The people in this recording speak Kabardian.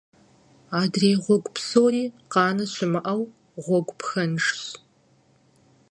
Адрей гъуэгу псори, къанэ щымыӀэу, гъуэгу пхэнжщ.